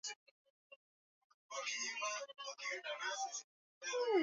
kwa vituo mbali mbali hatua za uzalishaji na njia za usambazaji